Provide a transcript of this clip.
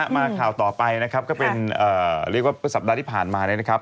มาข่าวต่อไปนะครับก็เป็นเรียกว่าสัปดาห์ที่ผ่านมาเลยนะครับ